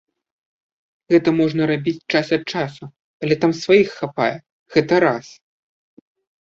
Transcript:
Гэта можна рабіць час ад часу, але там сваіх хапае, гэта раз.